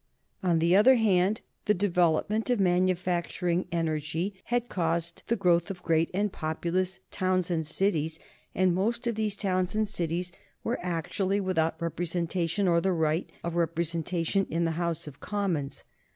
On the other hand, the development of manufacturing energy had caused the growth of great and populous towns and cities, and most of these towns and cities were actually without representation or the right of representation in the House of Commons.